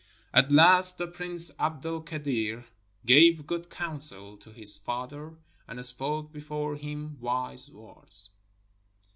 At last the Prince Abd el Kadir gave good counsel to his father and spoke before him wise words.